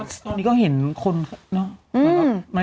ตอนนี้ก็เห็นคนเนอะ